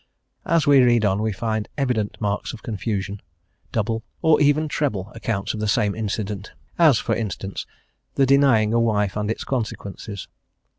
As we read on we find evident marks of confusion; double, or even treble, accounts of the same incident, as, for instance, the denying a wife and its consequences.